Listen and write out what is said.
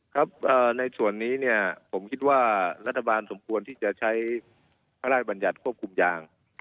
ครับในส่วนนี้เนี่ยผมคิดว่ารัฐบาลสมควรที่จะใช้พระราชบัญญัติควบคุมยาง